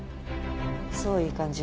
そういい感じ。